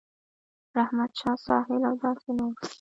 رحمت شاه ساحل او داسې نور